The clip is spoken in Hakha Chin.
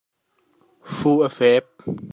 Fu a fep.